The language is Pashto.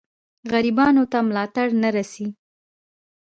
غریبانو ته ملاتړ نه رسي.